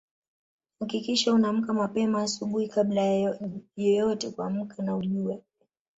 Hakikisha unaamka mapema asubuhi kabla ya yeyote kuamka na uje